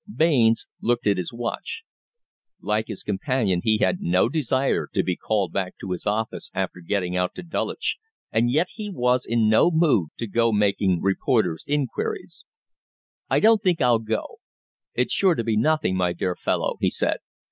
Baines looked at his watch. Like his companion, he had no desire to be called back to his office after getting out to Dulwich, and yet he was in no mood to go making reporter's inquiries. "I don't think I'll go. It's sure to be nothing, my dear fellow," he said.